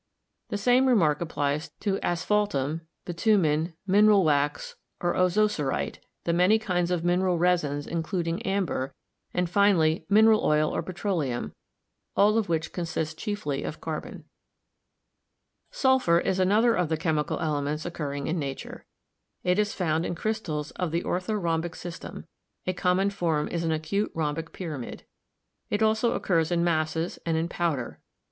The same remark applies to asphaltum, bitumen, mineral wax or ozocerite, the many kinds of mineral resins including amber, and finally min eral oil or petroleum, all of which consist chiefly of car bon. Sulphur is another of the chemical elements occurring in nature. It is found in crystals of the orthorhombic system ; a common form is an acute rhombic pyramid. It also occurs in masses and in powder.